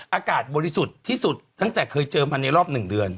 อากาศบริสุทธิ์ที่สุดตั้งแต่เคยเจอมาในรอบ๑เดือน